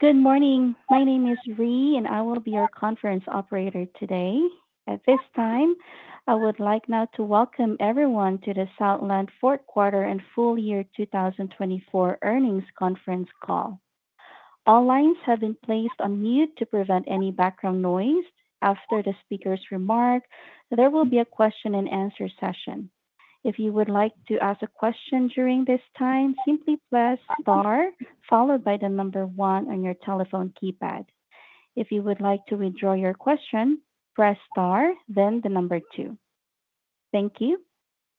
Good morning. My name is Rhee, and I will be your conference operator today. At this time, I would like now to welcome everyone to the Southland Fourth Quarter and Full Year 2024 Earnings Conference Call. All lines have been placed on mute to prevent any background noise. After the speaker's remark, there will be a question-and-answer session. If you would like to ask a question during this time, simply press star followed by the number one on your telephone keypad. If you would like to withdraw your question, press star, then the number two. Thank you.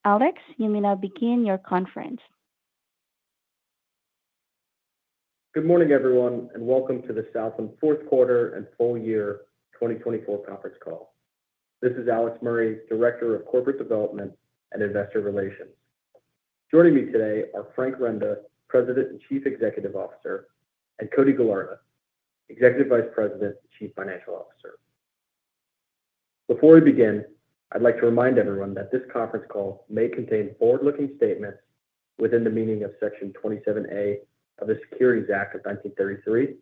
Alex, you may now begin your conference. Good morning, everyone, and welcome to the Southland Fourth Quarter and Full Year 2024 Conference Call. This is Alex Murray, Director of Corporate Development and Investor Relations. Joining me today are Frank Renda, President and Chief Executive Officer, and Cody Gallarda, Executive Vice President and Chief Financial Officer. Before we begin, I'd like to remind everyone that this conference call may contain forward-looking statements within the meaning of Section 27A of the Securities Act of 1933,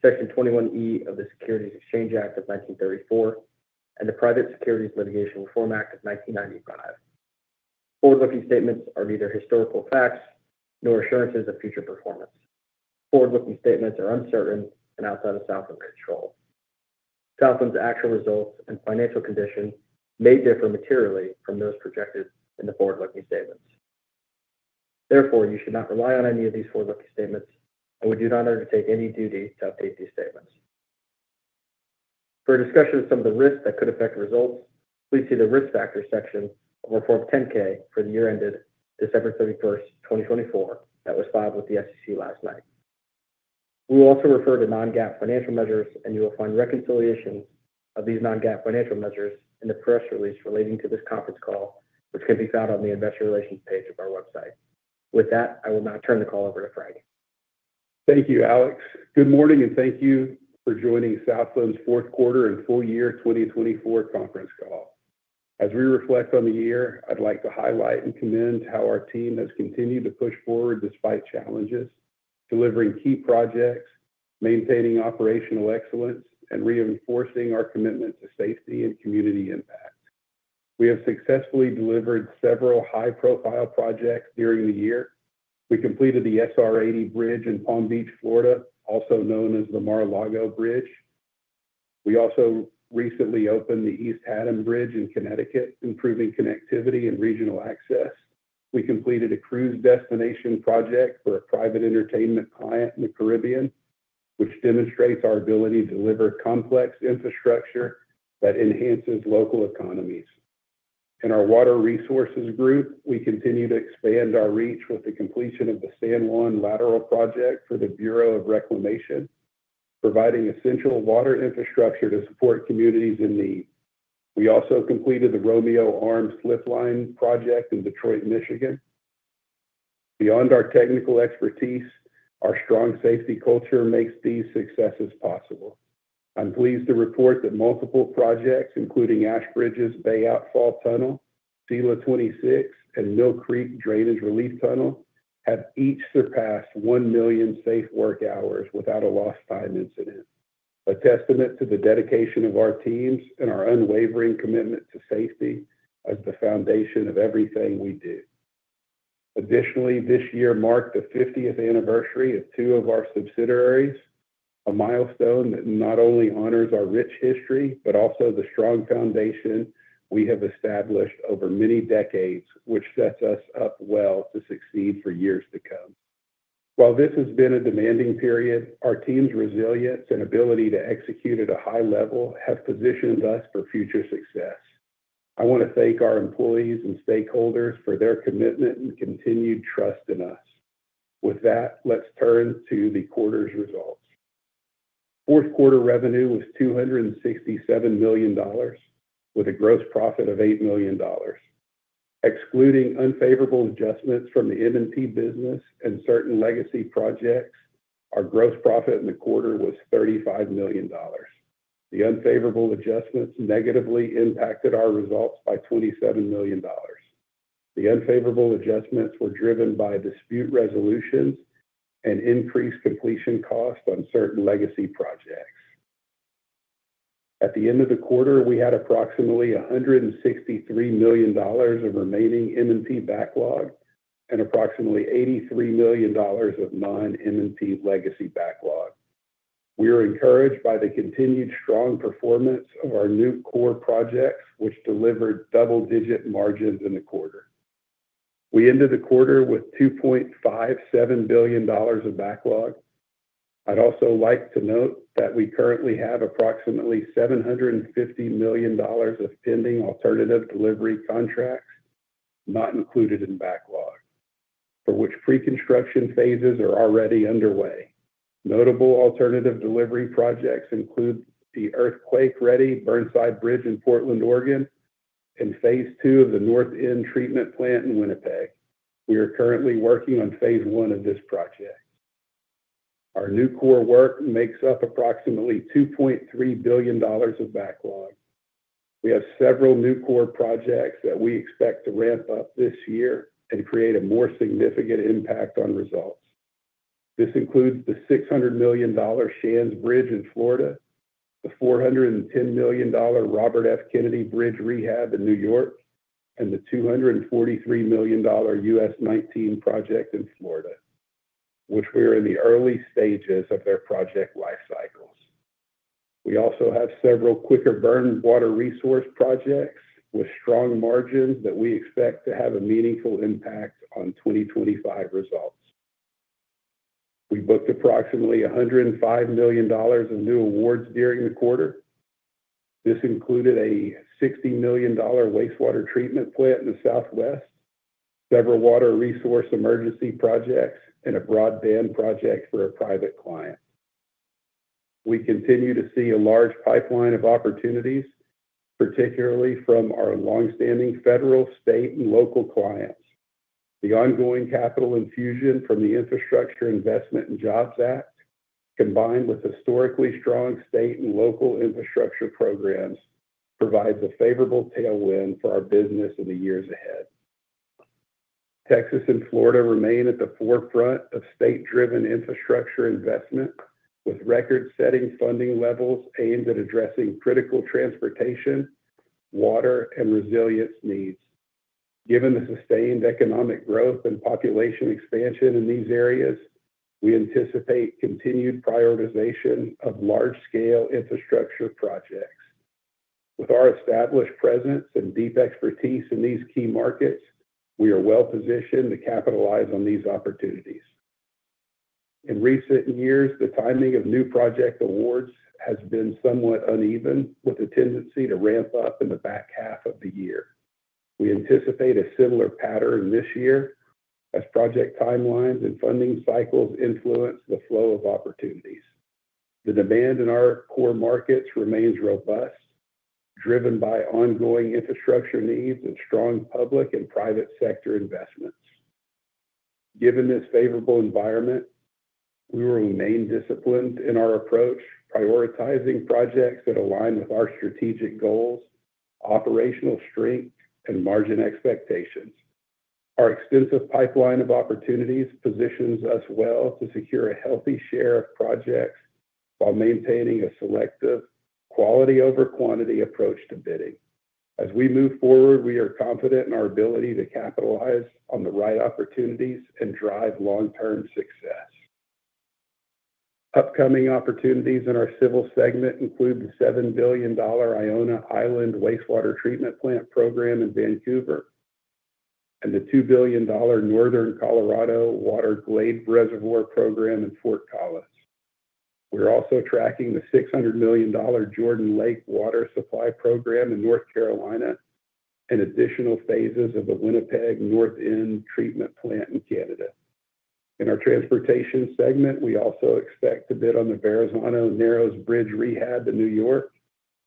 Section 21E of the Securities Exchange Act of 1934, and the Private Securities Litigation Reform Act of 1995. Forward-looking statements are neither historical facts nor assurances of future performance. Forward-looking statements are uncertain and outside of Southland control. Southland's actual results and financial condition may differ materially from those projected in the forward-looking statements. Therefore, you should not rely on any of these forward-looking statements, and we do not undertake any duty to update these statements. For a discussion of some of the risks that could affect results, please see the Risk Factors section of Form 10-K for the year ended December 31st, 2024, that was filed with the SEC last night. We will also refer to non-GAAP financial measures, and you will find reconciliations of these non-GAAP financial measures in the press release relating to this conference call, which can be found on the Investor Relations page of our website. With that, I will now turn the call over to Frank. Thank you, Alex. Good morning, and thank you for joining Southland's Fourth Quarter and Full Year 2024 Conference Call. As we reflect on the year, I'd like to highlight and commend how our team has continued to push forward despite challenges, delivering key projects, maintaining operational excellence, and reinforcing our commitment to safety and community impact. We have successfully delivered several high-profile projects during the year. We completed the SR-80 Bridge in Palm Beach, Florida, also known as the Mar-a-Lago Bridge. We also recently opened the East Haddam Bridge in Connecticut, improving connectivity and regional access. We completed a cruise destination project for a private entertainment client in the Caribbean, which demonstrates our ability to deliver complex infrastructure that enhances local economies. In our water resources group, we continue to expand our reach with the completion of the San Juan Lateral project for the Bureau of Reclamation, providing essential water infrastructure to support communities in need. We also completed the Romeo Arms Lift Line project in Detroit, Michigan. Beyond our technical expertise, our strong safety culture makes these successes possible. I'm pleased to report that multiple projects, including Ashbridges Bay Outfall Tunnel, Sila 26, and Mill Creek Drainage Relief Tunnel, have each surpassed one million safe work hours without a lost-time incident, a testament to the dedication of our teams and our unwavering commitment to safety as the foundation of everything we do. Additionally, this year marked the 50th anniversary of two of our subsidiaries, a milestone that not only honors our rich history but also the strong foundation we have established over many decades, which sets us up well to succeed for years to come. While this has been a demanding period, our team's resilience and ability to execute at a high level have positioned us for future success. I want to thank our employees and stakeholders for their commitment and continued trust in us. With that, let's turn to the quarter's results. Fourth quarter revenue was $267 million, with a gross profit of $8 million. Excluding unfavorable adjustments from the M&P business and certain legacy projects, our gross profit in the quarter was $35 million. The unfavorable adjustments negatively impacted our results by $27 million. The unfavorable adjustments were driven by dispute resolutions and increased completion costs on certain legacy projects. At the end of the quarter, we had approximately $163 million of remaining M&P backlog and approximately $83 million of non-M&P legacy backlog. We are encouraged by the continued strong performance of our new core projects, which delivered double-digit margins in the quarter. We ended the quarter with $2.57 billion of backlog. I'd also like to note that we currently have approximately $750 million of pending alternative delivery contracts not included in backlog, for which pre-construction phases are already underway. Notable alternative delivery projects include the earthquake-ready Burnside Bridge in Portland, Oregon, and Phase 2 of the North End Treatment Plant in Winnipeg. We are currently working on Phase 1 of this project. Our new core work makes up approximately $2.3 billion of backlog. We have several new core projects that we expect to ramp up this year and create a more significant impact on results. This includes the $600 million Shands Bridge in Florida, the $410 million Robert F. Kennedy Bridge rehab in New York, and the $243 million US-19 project in Florida, which we are in the early stages of their project life cycles. We also have several quicker burn water resource projects with strong margins that we expect to have a meaningful impact on 2025 results. We booked approximately $105 million of new awards during the quarter. This included a $60 million wastewater treatment plant in the Southwest, several water resource emergency projects, and a broadband project for a private client. We continue to see a large pipeline of opportunities, particularly from our longstanding federal, state, and local clients. The ongoing capital infusion from the Infrastructure Investment and Jobs Act, combined with historically strong state and local infrastructure programs, provides a favorable tailwind for our business in the years ahead. Texas and Florida remain at the forefront of state-driven infrastructure investment, with record-setting funding levels aimed at addressing critical transportation, water, and resilience needs. Given the sustained economic growth and population expansion in these areas, we anticipate continued prioritization of large-scale infrastructure projects. With our established presence and deep expertise in these key markets, we are well-positioned to capitalize on these opportunities. In recent years, the timing of new project awards has been somewhat uneven, with a tendency to ramp up in the back half of the year. We anticipate a similar pattern this year as project timelines and funding cycles influence the flow of opportunities. The demand in our core markets remains robust, driven by ongoing infrastructure needs and strong public and private sector investments. Given this favorable environment, we will remain disciplined in our approach, prioritizing projects that align with our strategic goals, operational strength, and margin expectations. Our extensive pipeline of opportunities positions us well to secure a healthy share of projects while maintaining a selective quality-over-quantity approach to bidding. As we move forward, we are confident in our ability to capitalize on the right opportunities and drive long-term success. Upcoming opportunities in our Civil segment include the $7 billion Iona Island Wastewater Treatment Plant program in Vancouver and the $2 billion Northern Colorado Water Glade Reservoir program in Fort Collins. We're also tracking the $600 million Jordan Lake Water Supply program in North Carolina and additional phases of the Winnipeg North End Treatment Plant in Canada. In our Transportation segment, we also expect to bid on the Verrazano-Narrows Bridge rehab in New York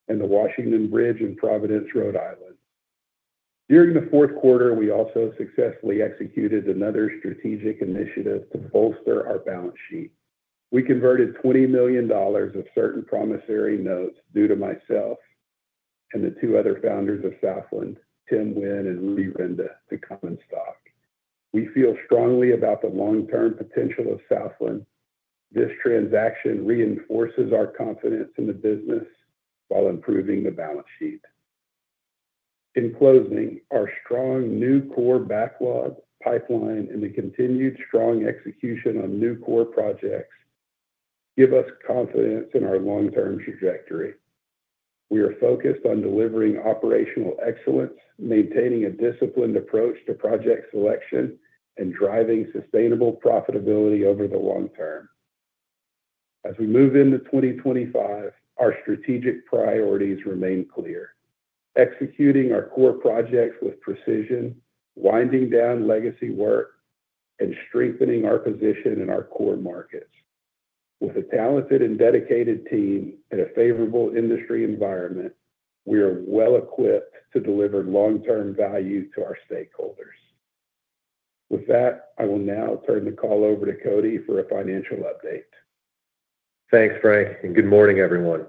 and the Washington Bridge in Providence, Rhode Island. During the fourth quarter, we also successfully executed another strategic initiative to bolster our balance sheet. We converted $20 million of certain promissory notes due to myself and the two other founders of Southland, Tim Wynn and Rudy Renda, to common stock. We feel strongly about the long-term potential of Southland. This transaction reinforces our confidence in the business while improving the balance sheet. In closing, our strong new core backlog pipeline and the continued strong execution on new core projects give us confidence in our long-term trajectory. We are focused on delivering operational excellence, maintaining a disciplined approach to project selection, and driving sustainable profitability over the long term. As we move into 2025, our strategic priorities remain clear: executing our core projects with precision, winding down legacy work, and strengthening our position in our core markets. With a talented and dedicated team and a favorable industry environment, we are well-equipped to deliver long-term value to our stakeholders. With that, I will now turn the call over to Cody for a financial update. Thanks, Frank, and good morning, everyone.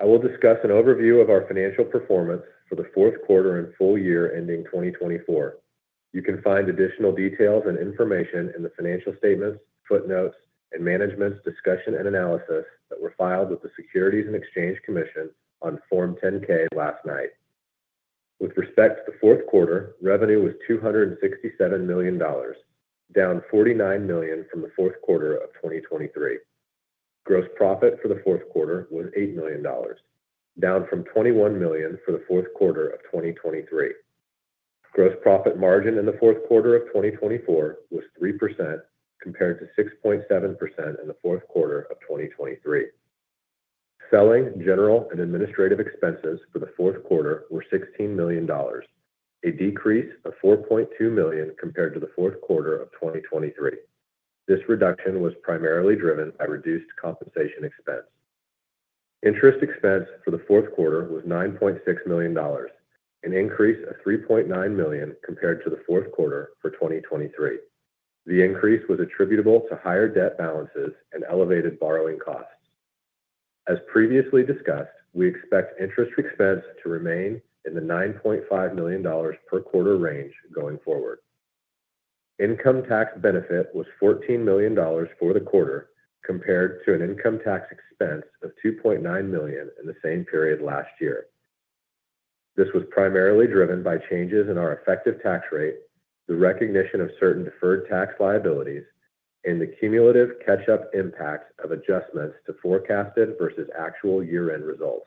I will discuss an overview of our financial performance for the fourth quarter and full year ending 2024. You can find additional details and information in the financial statements, footnotes, and management's discussion and analysis that were filed with the Securities and Exchange Commission on Form 10-K last night. With respect to the fourth quarter, revenue was $267 million, down $49 million from the fourth quarter of 2023. Gross profit for the fourth quarter was $8 million, down from $21 million for the fourth quarter of 2023. Gross profit margin in the fourth quarter of 2024 was 3% compared to 6.7% in the fourth quarter of 2023. Selling, general, and administrative expenses for the fourth quarter were $16 million, a decrease of $4.2 million compared to the fourth quarter of 2023. This reduction was primarily driven by reduced compensation expense. Interest expense for the fourth quarter was $9.6 million, an increase of $3.9 million compared to the fourth quarter for 2023. The increase was attributable to higher debt balances and elevated borrowing costs. As previously discussed, we expect interest expense to remain in the $9.5 million per quarter range going forward. Income tax benefit was $14 million for the quarter compared to an income tax expense of $2.9 million in the same period last year. This was primarily driven by changes in our effective tax rate, the recognition of certain deferred tax liabilities, and the cumulative catch-up impact of adjustments to forecasted versus actual year-end results.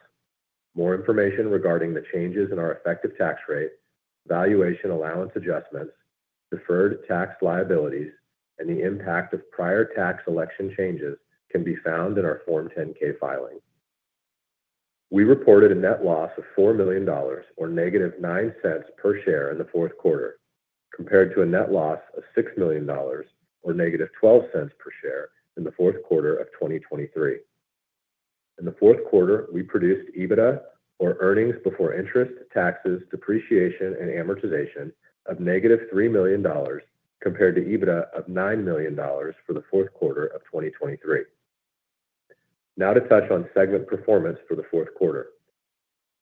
More information regarding the changes in our effective tax rate, valuation allowance adjustments, deferred tax liabilities, and the impact of prior tax election changes can be found in our Form 10-K filing. We reported a net loss of $4 million, or negative $0.09 per share in the fourth quarter, compared to a net loss of $6 million, or negative $0.12 per share in the fourth quarter of 2023. In the fourth quarter, we produced EBITDA, or earnings before interest, taxes, depreciation, and amortization, of negative $3 million, compared to EBITDA of $9 million for the fourth quarter of 2023. Now to touch on segment performance for the fourth quarter.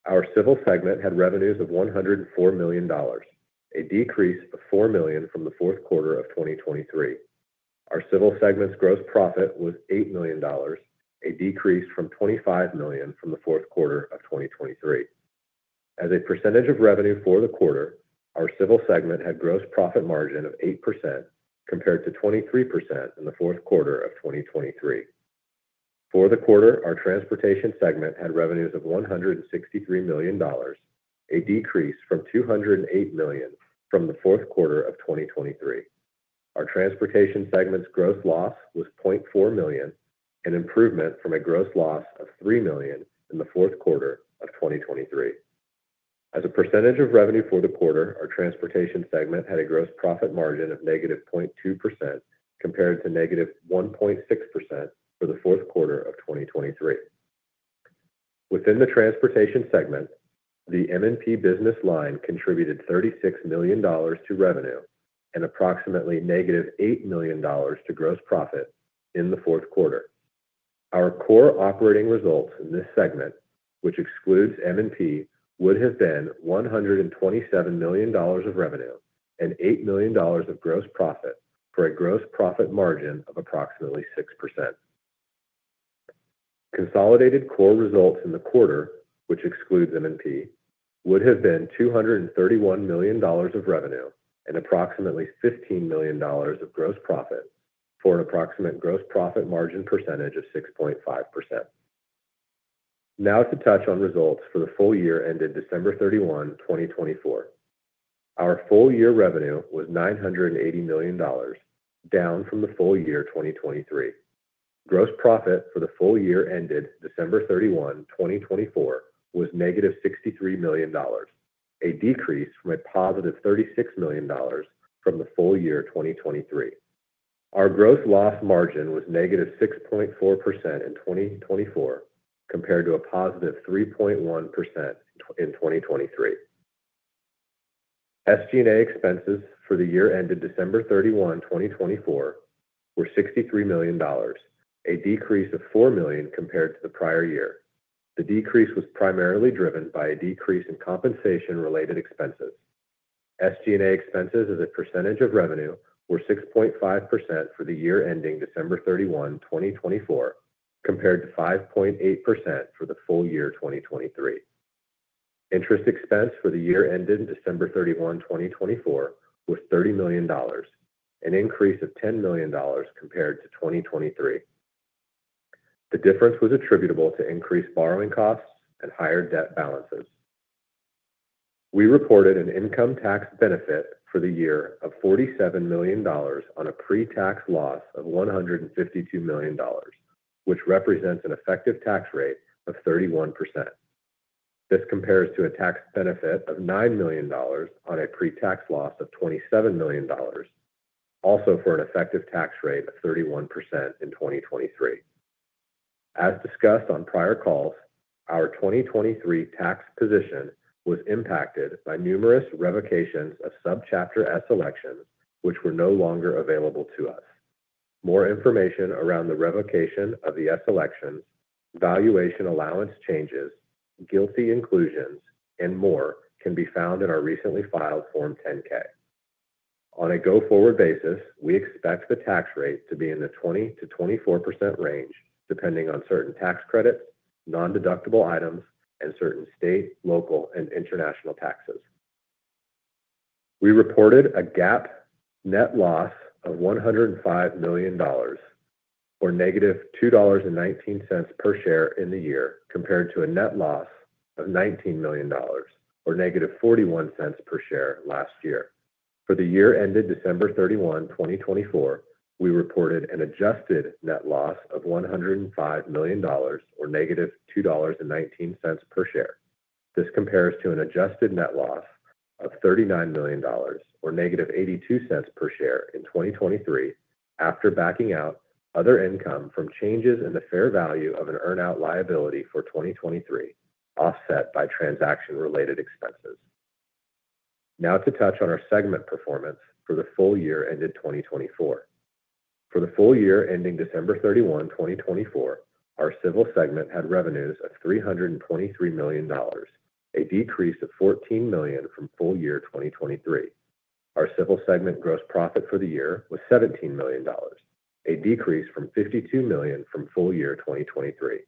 Our Civil segment had revenues of $104 million, a decrease of $4 million from the fourth quarter of 2023. Our Civil segment's gross profit was $8 million, a decrease from $25 million from the fourth quarter of 2023. As a percentage of revenue for the quarter, our Civil segment had gross profit margin of 8% compared to 23% in the fourth quarter of 2023. For the quarter, our Transportation segment had revenues of $163 million, a decrease from $208 million from the fourth quarter of 2023. Our Transportation segment's gross loss was $0.4 million, an improvement from a gross loss of $3 million in the fourth quarter of 2023. As a percentage of revenue for the quarter, our Transportation segment had a gross profit margin of negative 0.2% compared to negative 1.6% for the fourth quarter of 2023. Within the Transportation segment, the M&P business line contributed $36 million to revenue and approximately negative $8 million to gross profit in the fourth quarter. Our core operating results in this segment, which excludes M&P, would have been $127 million of revenue and $8 million of gross profit for a gross profit margin of approximately 6%. Consolidated core results in the quarter, which excludes M&P, would have been $231 million of revenue and approximately $15 million of gross profit for an approximate gross profit margin percentage of 6.5%. Now to touch on results for the full year ended December 31, 2024. Our full year revenue was $980 million, down from the full year 2023. Gross profit for the full year ended December 31, 2024, was negative $63 million, a decrease from a positive $36 million from the full year 2023. Our gross loss margin was negative 6.4% in 2024 compared to a positive 3.1% in 2023. SG&A expenses for the year ended December 31, 2024, were $63 million, a decrease of $4 million compared to the prior year. The decrease was primarily driven by a decrease in compensation-related expenses. SG&A expenses as a percentage of revenue were 6.5% for the year ending December 31, 2024, compared to 5.8% for the full year 2023. Interest expense for the year ended December 31, 2024, was $30 million, an increase of $10 million compared to 2023. The difference was attributable to increased borrowing costs and higher debt balances. We reported an income tax benefit for the year of $47 million on a pre-tax loss of $152 million, which represents an effective tax rate of 31%. This compares to a tax benefit of $9 million on a pre-tax loss of $27 million, also for an effective tax rate of 31% in 2023. As discussed on prior calls, our 2023 tax position was impacted by numerous revocations of subchapter S elections, which were no longer available to us. More information around the revocation of the S elections, valuation allowance changes, GILTI inclusions, and more can be found in our recently filed Form 10-K. On a go-forward basis, we expect the tax rate to be in the 20%-24% range, depending on certain tax credits, non-deductible items, and certain state, local, and international taxes. We reported a GAAP net loss of $105 million, or negative $2.19 per share in the year, compared to a net loss of $19 million, or negative $0.41 per share last year. For the year ended December 31, 2024, we reported an adjusted net loss of $105 million, or negative $2.19 per share. This compares to an adjusted net loss of $39 million, or negative $0.82 per share in 2023 after backing out other income from changes in the fair value of an earn-out liability for 2023, offset by transaction-related expenses. Now to touch on our segment performance for the full year ended 2024. For the full year ending December 31, 2024, our Civil segment had revenues of $323 million, a decrease of $14 million from full year 2023. Our Civil segment gross profit for the year was $17 million, a decrease from $52 million from full year 2023.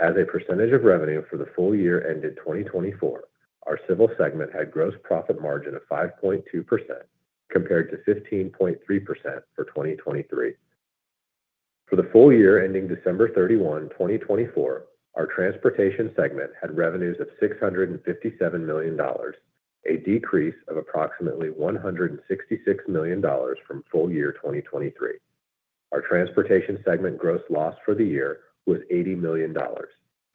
As a percentage of revenue for the full year ended 2024, our Civil segment had gross profit margin of 5.2% compared to 15.3% for 2023. For the full year ending December 31, 2024, our Transportation segment had revenues of $657 million, a decrease of approximately $166 million from full year 2023. Our Transportation segment gross loss for the year was $80 million,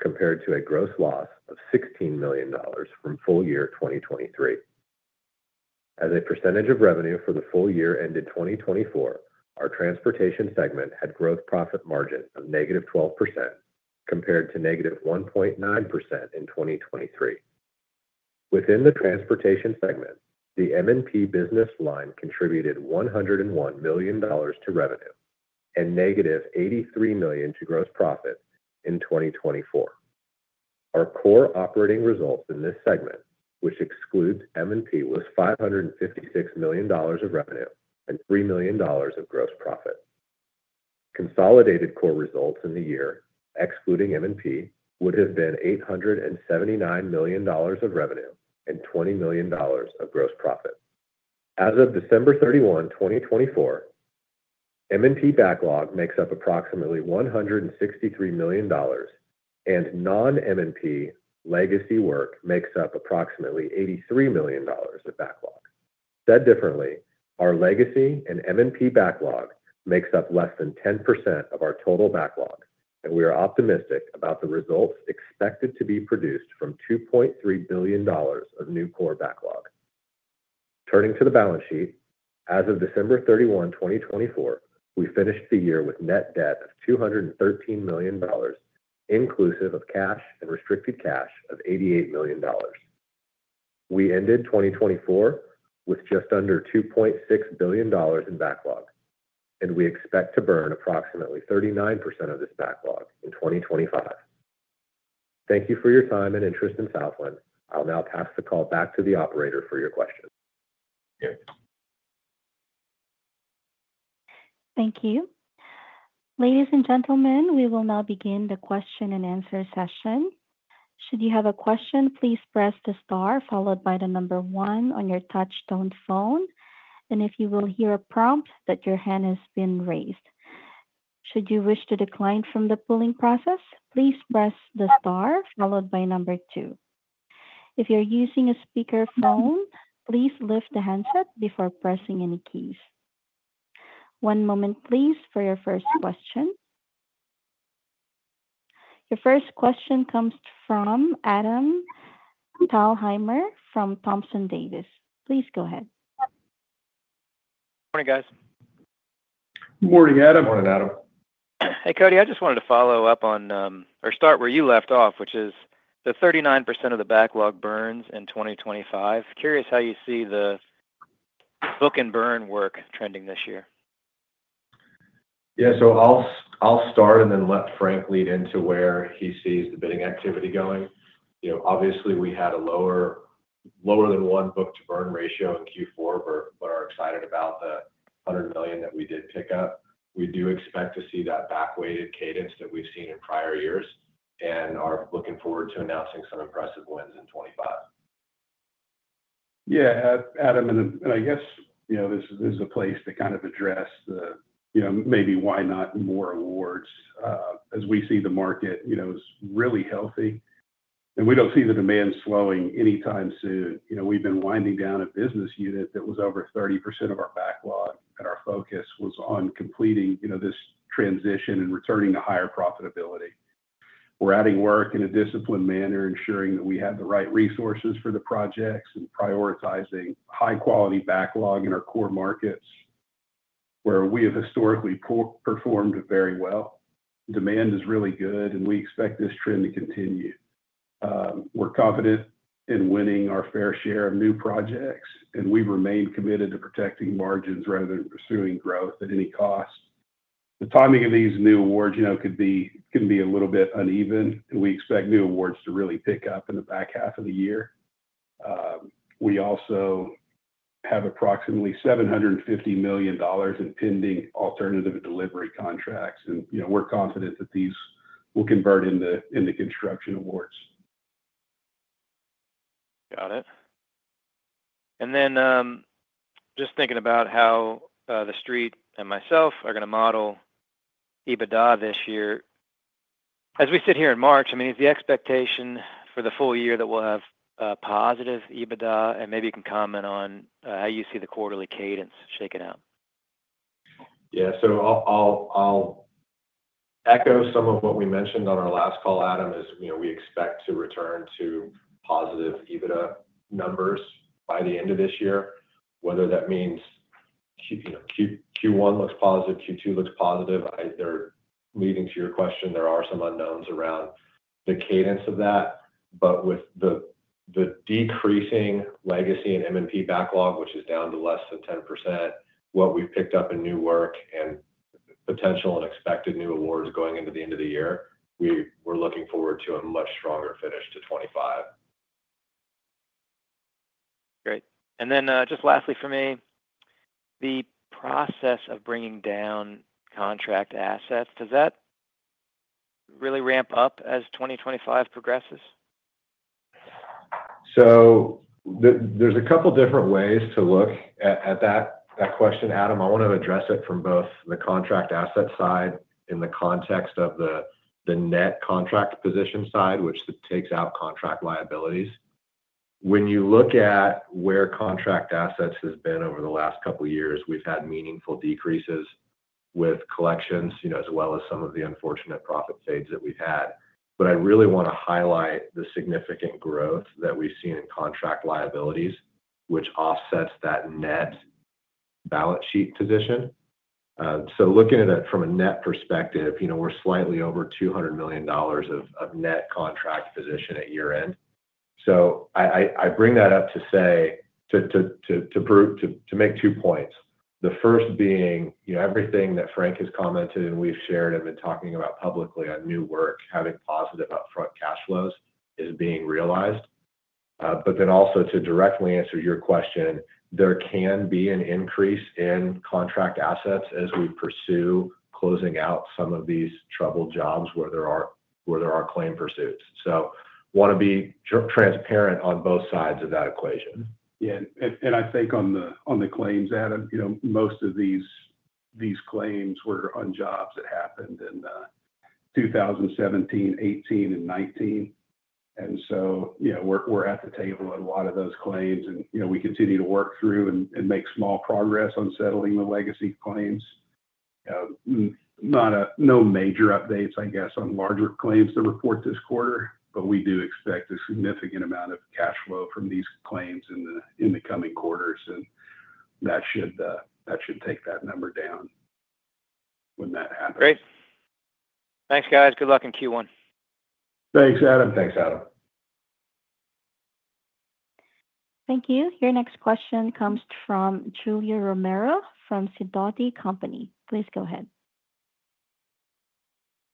compared to a gross loss of $16 million from full year 2023. As a percentage of revenue for the full year ended 2024, our Transportation segment had gross profit margin of negative 12% compared to negative 1.9% in 2023. Within the Transportation segment, the M&P business line contributed $101 million to revenue and negative $83 million to gross profit in 2024. Our core operating results in this segment, which excludes M&P, was $556 million of revenue and $3 million of gross profit. Consolidated core results in the year, excluding M&P, would have been $879 million of revenue and $20 million of gross profit. As of December 31, 2024, M&P backlog makes up approximately $163 million, and non-M&P legacy work makes up approximately $83 million of backlog. Said differently, our legacy and M&P backlog makes up less than 10% of our total backlog, and we are optimistic about the results expected to be produced from $2.3 billion of new core backlog. Turning to the balance sheet, as of December 31, 2024, we finished the year with net debt of $213 million, inclusive of cash and restricted cash of $88 million. We ended 2024 with just under $2.6 billion in backlog, and we expect to burn approximately 39% of this backlog in 2025. Thank you for your time and interest in Southland. I'll now pass the call back to the operator for your questions. Thank you. Thank you. Ladies and gentlemen, we will now begin the question and answer session. Should you have a question, please press the star followed by the number one on your touchstone phone, and you will hear a prompt that your hand has been raised. Should you wish to decline from the polling process, please press the star followed by number two. If you're using a speakerphone, please lift the handset before pressing any keys. One moment, please, for your first question. Your first question comes from Adam Thalhimer from Thompson Davis. Please go ahead. Morning, guys. Morning, Adam. Morning, Adam. Hey, Cody, I just wanted to follow up on or start where you left off, which is the 39% of the backlog burns in 2025. Curious how you see the book and burn work trending this year. Yeah, so I'll start and then let Frank lead into where he sees the bidding activity going. Obviously, we had a lower than one book-to-burn ratio in Q4, but are excited about the $100 million that we did pick up. We do expect to see that back-weighted cadence that we've seen in prior years and are looking forward to announcing some impressive wins in 2025. Yeah, Adam, I guess this is a place to kind of address the maybe why not more awards as we see the market is really healthy. We do not see the demand slowing anytime soon. We have been winding down a business unit that was over 30% of our backlog, and our focus was on completing this transition and returning to higher profitability. We are adding work in a disciplined manner, ensuring that we have the right resources for the projects and prioritizing high-quality backlog in our core markets where we have historically performed very well. Demand is really good, and we expect this trend to continue. We are confident in winning our fair share of new projects, and we remain committed to protecting margins rather than pursuing growth at any cost. The timing of these new awards can be a little bit uneven, and we expect new awards to really pick up in the back half of the year. We also have approximately $750 million in pending alternative delivery contracts, and we're confident that these will convert into construction awards. Got it. And then just thinking about how the Street and myself are going to model EBITDA this year, as we sit here in March, I mean, is the expectation for the full year that we'll have positive EBITDA? And maybe you can comment on how you see the quarterly cadence shaking out. Yeah, so I'll echo some of what we mentioned on our last call, Adam, is we expect to return to positive EBITDA numbers by the end of this year, whether that means Q1 looks positive, Q2 looks positive. Leading to your question, there are some unknowns around the cadence of that. With the decreasing legacy and M&P backlog, which is down to less than 10%, what we've picked up in new work and potential and expected new awards going into the end of the year, we're looking forward to a much stronger finish to 2025. Great. Lastly for me, the process of bringing down contract assets, does that really ramp up as 2025 progresses? There are a couple of different ways to look at that question, Adam. I want to address it from both the contract asset side in the context of the net contract position side, which takes out contract liabilities. When you look at where contract assets have been over the last couple of years, we've had meaningful decreases with collections as well as some of the unfortunate profit fades that we've had. I really want to highlight the significant growth that we've seen in contract liabilities, which offsets that net balance sheet position. Looking at it from a net perspective, we're slightly over $200 million of net contract position at year-end. I bring that up to make two points. The first being everything that Frank has commented and we've shared and been talking about publicly on new work, having positive upfront cash flows is being realized. To directly answer your question, there can be an increase in contract assets as we pursue closing out some of these troubled jobs where there are claim pursuits. I want to be transparent on both sides of that equation. Yeah. I think on the claims, Adam, most of these claims were on jobs that happened in 2017, 2018, and 2019. We are at the table on a lot of those claims, and we continue to work through and make small progress on settling the legacy claims. No major updates, I guess, on larger claims to report this quarter, but we do expect a significant amount of cash flow from these claims in the coming quarters, and that should take that number down when that happens. Great. Thanks, guys. Good luck in Q1. Thanks, Adam. Thanks, Adam. Thank you. Your next question comes from Julio Romero from Sidoti & Co. Please go ahead.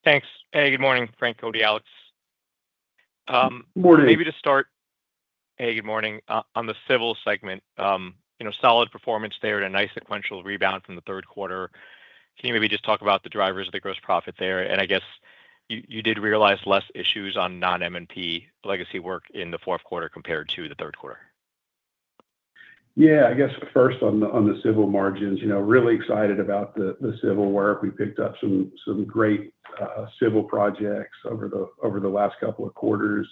Thanks. Hey, good morning. Frank, Cody, Alex. Morning. Maybe to start, hey, good morning. On the Civil segment, solid performance there and a nice sequential rebound from the third quarter. Can you maybe just talk about the drivers of the gross profit there? I guess you did realize less issues on non-M&P legacy work in the fourth quarter compared to the third quarter. Yeah. I guess first on the civil margins, really excited about the civil work. We picked up some great civil projects over the last couple of quarters.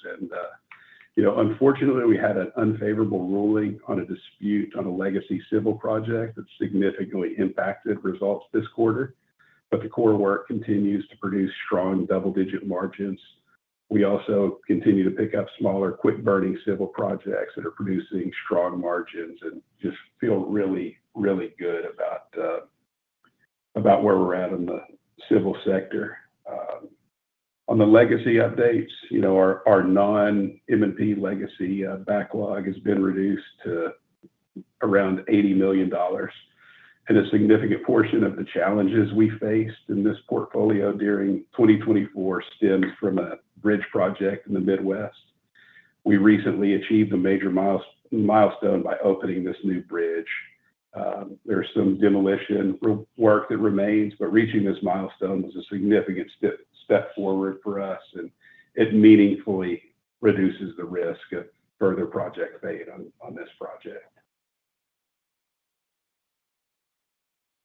Unfortunately, we had an unfavorable ruling on a dispute on a legacy civil project that significantly impacted results this quarter, but the core work continues to produce strong double-digit margins. We also continue to pick up smaller quick-burning civil projects that are producing strong margins and just feel really, really good about where we're at in the civil sector. On the legacy updates, our non-M&P legacy backlog has been reduced to around $80 million. A significant portion of the challenges we faced in this portfolio during 2024 stems from a bridge project in the Midwest. We recently achieved a major milestone by opening this new bridge. There's some demolition work that remains, but reaching this milestone was a significant step forward for us, and it meaningfully reduces the risk of further project fade on this project.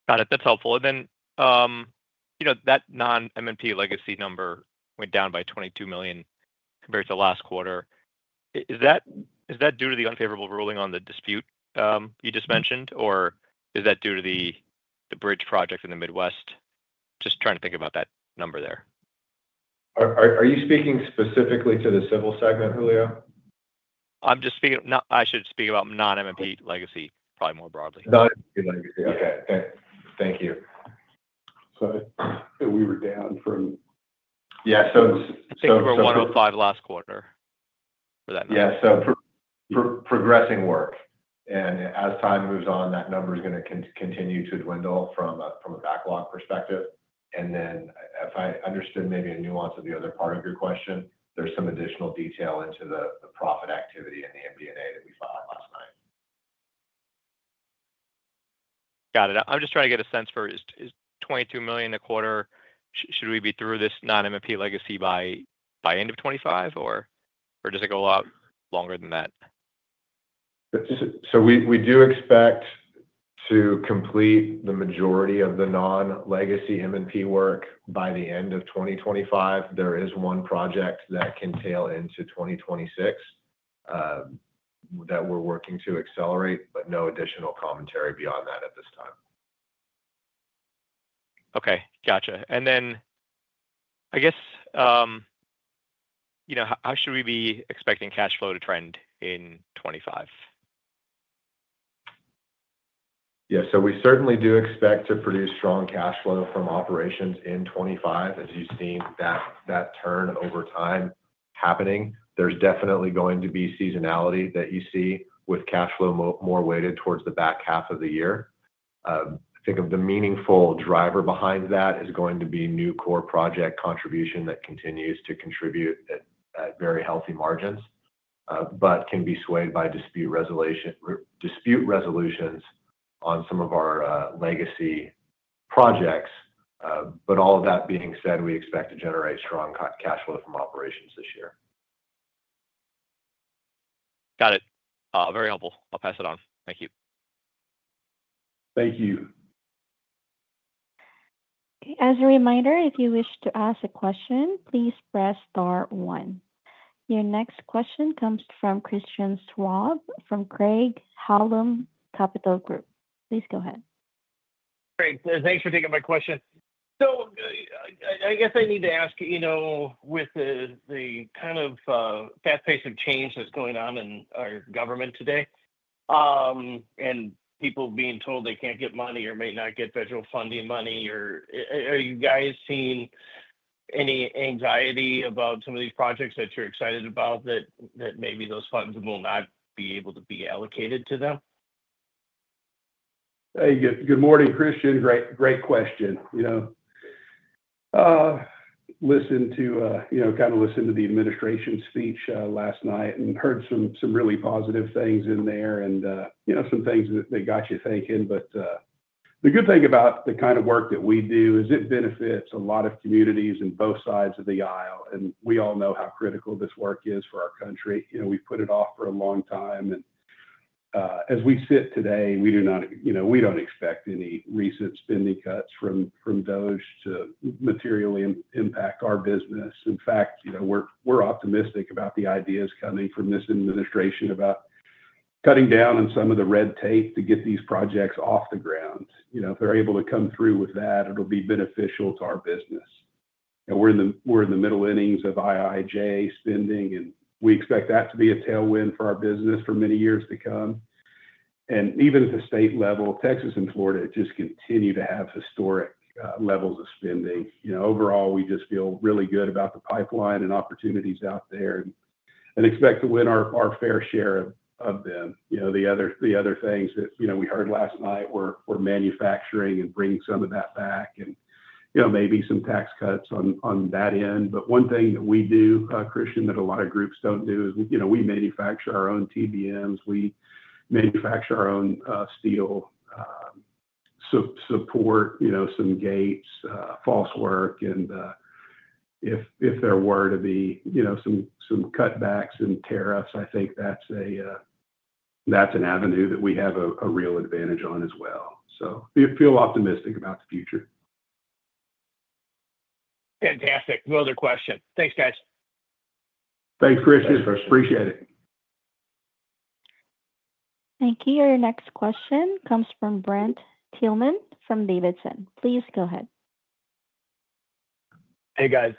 Got it. That's helpful. That non-M&P legacy number went down by $22 million compared to last quarter. Is that due to the unfavorable ruling on the dispute you just mentioned, or is that due to the bridge project in the Midwest? Just trying to think about that number there. Are you speaking specifically to the Civil segment, Julia? I'm just speaking—I should speak about non-M&P legacy, probably more broadly. Non-M&P legacy. Okay. Thank you. Sorry. We were down from. Yeah. We were 105 last quarter for that number. Yeah. Progressing work. As time moves on, that number is going to continue to dwindle from a backlog perspective. If I understood maybe a nuance of the other part of your question, there's some additional detail into the profit activity in the MB&A that we filed last night. Got it. I'm just trying to get a sense for $22 million in the quarter. Should we be through this non-M&P legacy by end of 2025, or does it go a lot longer than that? We do expect to complete the majority of the non-legacy M&P work by the end of 2025. There is one project that can tail into 2026 that we're working to accelerate, but no additional commentary beyond that at this time. Okay. Gotcha. And then I guess how should we be expecting cash flow to trend in 2025? Yeah. We certainly do expect to produce strong cash flow from operations in 2025, as you've seen that turn over time happening. There's definitely going to be seasonality that you see with cash flow more weighted towards the back half of the year. I think the meaningful driver behind that is going to be new core project contribution that continues to contribute at very healthy margins, but can be swayed by dispute resolutions on some of our legacy projects. All of that being said, we expect to generate strong cash flow from operations this year. Got it. Very helpful. I'll pass it on. Thank you. Thank you. As a reminder, if you wish to ask a question, please press star one. Your next question comes from Christian Schwab from Craig-Hallum Capital Group. Please go ahead. Great. Thanks for taking my question. I guess I need to ask with the kind of fast pace of change that's going on in our government today and people being told they can't get money or may not get federal funding money, are you guys seeing any anxiety about some of these projects that you're excited about that maybe those funds will not be able to be allocated to them? Good morning, Christian. Great question. Listened to, kind of listened to the administration speech last night and heard some really positive things in there and some things that got you thinking. The good thing about the kind of work that we do is it benefits a lot of communities on both sides of the aisle. We all know how critical this work is for our country. We've put it off for a long time. As we sit today, we don't expect any recent spending cuts from those to materially impact our business. In fact, we're optimistic about the ideas coming from this administration about cutting down on some of the red tape to get these projects off the ground. If they're able to come through with that, it'll be beneficial to our business. We're in the middle innings of IIJA spending, and we expect that to be a tailwind for our business for many years to come. Even at the state level, Texas and Florida just continue to have historic levels of spending. Overall, we just feel really good about the pipeline and opportunities out there and expect to win our fair share of them. The other things that we heard last night were manufacturing and bringing some of that back and maybe some tax cuts on that end. One thing that we do, Christian, that a lot of groups don't do is we manufacture our own TBMs. We manufacture our own steel, support some gates, false work. If there were to be some cutbacks in tariffs, I think that's an avenue that we have a real advantage on as well. I feel optimistic about the future. Fantastic. No other question. Thanks, guys. Thanks, Christian. Appreciate it. Thank you. Your next question comes from Brent Thielman from D.A. Davidson. Please go ahead. Hey, guys.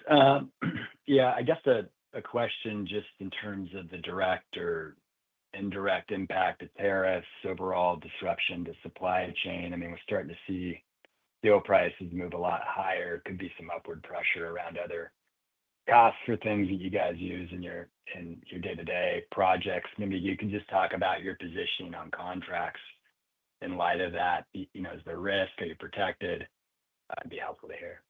Yeah. I guess a question just in terms of the direct or indirect impact of tariffs, overall disruption to supply chain. I mean, we're starting to see fuel prices move a lot higher. Could be some upward pressure around other costs for things that you guys use in your day-to-day projects. Maybe you can just talk about your position on contracts in light of that. Is there risk? Are you protected? That'd be helpful to hear.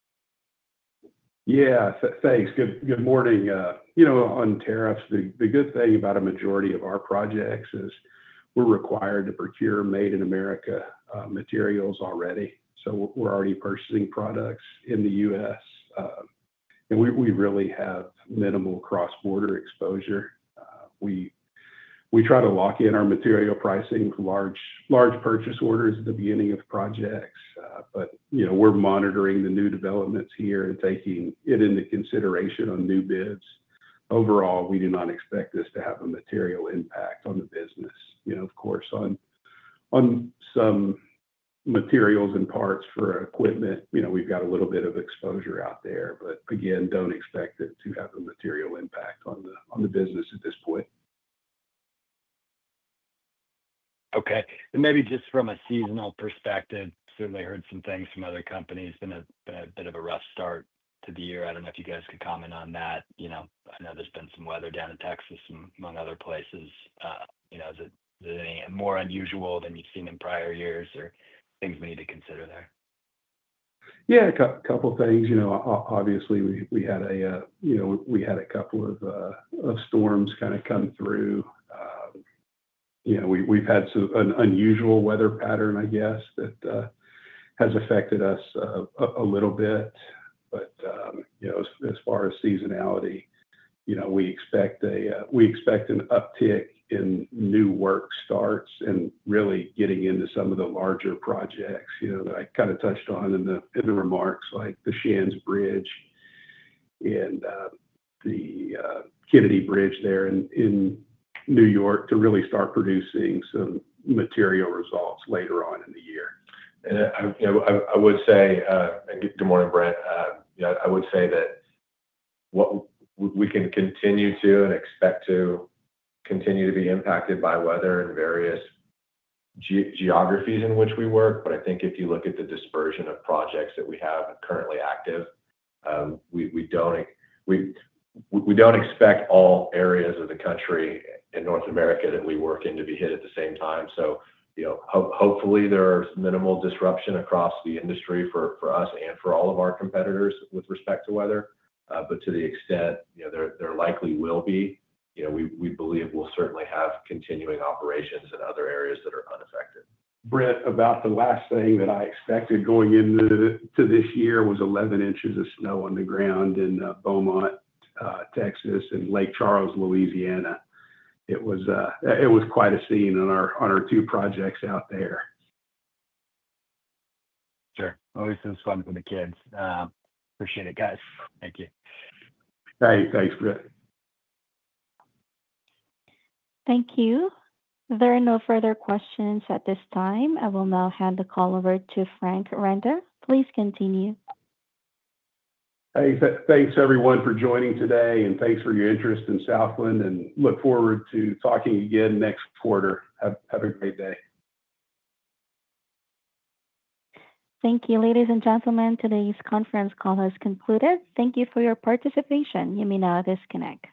Yeah. Thanks. Good morning. On tariffs, the good thing about a majority of our projects is we're required to procure made-in-America materials already. So we're already purchasing products in the U.S. And we really have minimal cross-border exposure. We try to lock in our material pricing for large purchase orders at the beginning of projects. We are monitoring the new developments here and taking it into consideration on new bids. Overall, we do not expect this to have a material impact on the business. Of course, on some materials and parts for equipment, we've got a little bit of exposure out there. Again, don't expect it to have a material impact on the business at this point. Okay. Maybe just from a seasonal perspective, certainly heard some things from other companies. It's been a bit of a rough start to the year. I don't know if you guys could comment on that. I know there's been some weather down in Texas and among other places. Is it more unusual than you've seen in prior years, or things we need to consider there? Yeah. A couple of things. Obviously, we had a couple of storms kind of come through. We've had an unusual weather pattern, I guess, that has affected us a little bit. As far as seasonality, we expect an uptick in new work starts and really getting into some of the larger projects that I kind of touched on in the remarks, like the Shands Bridge and the Kennedy Bridge there in New York, to really start producing some material results later on in the year. I would say, good morning, Brent. I would say that we can continue to and expect to continue to be impacted by weather in various geographies in which we work. I think if you look at the dispersion of projects that we have currently active, we do not expect all areas of the country in North America that we work in to be hit at the same time. Hopefully, there is minimal disruption across the industry for us and for all of our competitors with respect to weather. To the extent there likely will be, we believe we will certainly have continuing operations in other areas that are unaffected. Brent, about the last thing that I expected going into this year was 11 inches of snow on the ground in Beaumont, Texas, and Lake Charles, Louisiana. It was quite a scene on our two projects out there. Sure. Always doing fun for the kids. Appreciate it, guys. Thank you. All right. Thanks, Brent. Thank you. There are no further questions at this time. I will now hand the call over to Frank Renda. Please continue. Thanks, everyone, for joining today, and thanks for your interest in Southland. I look forward to talking again next quarter. Have a great day. Thank you, ladies and gentlemen. Today's conference call has concluded. Thank you for your participation. You may now disconnect.